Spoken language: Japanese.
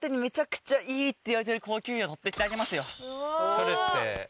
それって。